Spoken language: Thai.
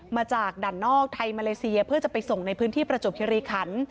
มาจากด่านนอกไทยมาเลเซียเพื่อจะไปส่งในพื้นที่ประจวบคิริขัน